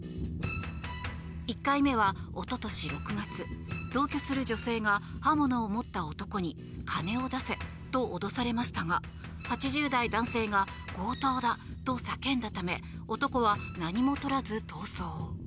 １回目は、一昨年６月同居する女性が刃物を持った男に金を出せと脅されましたが８０代男性が強盗だと叫んだため男は何もとらず逃走。